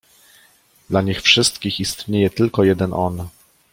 "Dla nich wszystkich istnieje tylko jeden „on“."